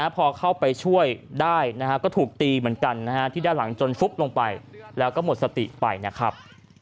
พอเข้าไปช่วยได้ก็ถูกตีเหมือนกันที่ด้านหลังจนฟุบลงไปแล้วก็หมดสติไปนะครับ